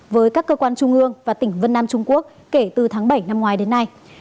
với các cơ quan trung ương và tỉnh vân nam trung quốc kể từ tháng bảy năm ngoái đến nay